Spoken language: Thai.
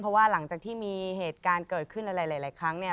เพราะว่าหลังจากที่มีเหตุการณ์เกิดขึ้นหลายครั้ง